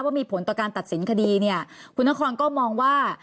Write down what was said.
ว่ามีผลต่อการตัดสินคดีเนี่ยคุณนครก็มองว่า